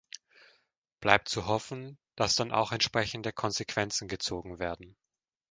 Bleibt zu hoffen, dass dann auch entsprechende Konsequenzen gezogen werden.